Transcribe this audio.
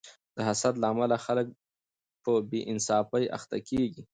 د حسد له امله خلک په بې انصافۍ اخته کیږي.